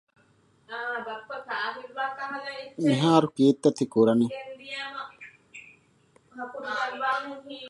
އަމާނާތްތެރިކަން މި ބަހުން ސިފަކޮށް ދެނީ ރޫޙާނީ ބާރު